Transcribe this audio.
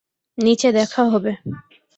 নিচে দেখা হবে।